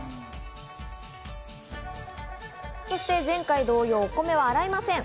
前回同様、お米は洗いません。